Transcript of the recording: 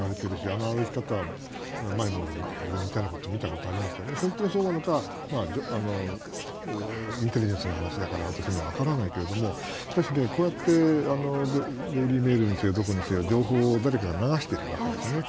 あの歩き方は前も見たことがありますけど本当にそうなのかはインテリジェンスの話だから私には分からないけどこうやってデイリー・メールにせよどこにせよ、情報を誰かが流しているわけですよね。